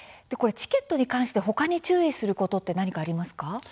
チケットに関してほかに注意すること、何かありますか。